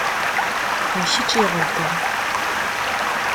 D kečč i iɣelḍen